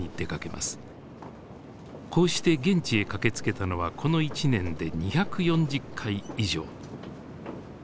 こうして現地へ駆けつけたのはこの１年で２４０回以上。